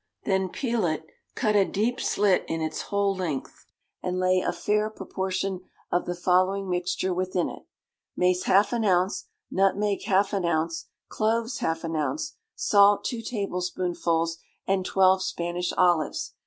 Then peel it, cut a deep slit in its whole length, and lay a fair proportion of the following mixture within it: Mace half an ounce, nutmeg half an ounce, cloves half an ounce, salt two tablespoonfuls, and twelve Spanish olives.